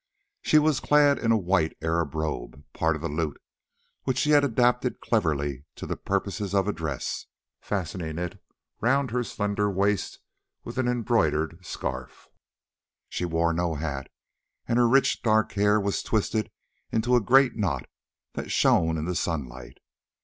She was clad in a white Arab robe, part of the loot, which she had adapted cleverly to the purposes of a dress, fastening it round her slender waist with an embroidered scarf. She wore no hat, and her rich dark hair was twisted into a great knot that shone in the sunlight.